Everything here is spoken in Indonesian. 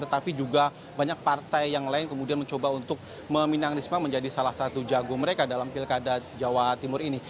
tetapi juga banyak partai yang lain kemudian mencoba untuk meminang risma menjadi salah satu jago mereka dalam pilkada jawa timur ini